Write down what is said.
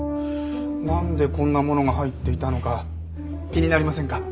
なんでこんなものが入っていたのか気になりませんか？